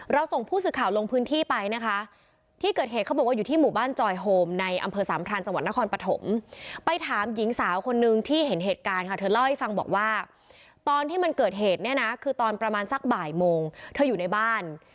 ส่งผู้สื่อข่าวลงพื้นที่ไปนะคะที่เกิดเหตุเขาบอกว่าอยู่ที่หมู่บ้านจอยโฮมในอำเภอสามพรานจังหวัดนครปฐมไปถามหญิงสาวคนนึงที่เห็นเหตุการณ์ค่ะเธอเล่าให้ฟังบอกว่าตอนที่มันเกิดเหตุเนี่ยนะคือตอนประมาณสักบ่ายโมงเธออยู่ในบ้าน